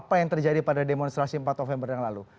apa yang terjadi pada demonstrasi empat november yang lalu